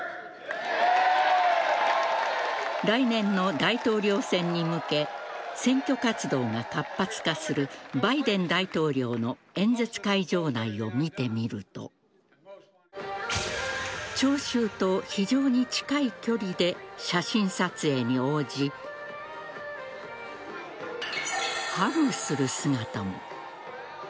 来年の大統領選に向け選挙活動が活発化するバイデン大統領の演説会場内を見てみると聴衆と非常に近い距離で写真撮影に応じハグする姿も。